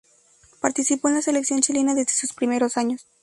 Participó en la Selección chilena desde sus primeros años.